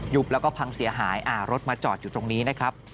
แล้วก็พังเสียหายรถมาจอดอยู่ตรงนี้นะครับ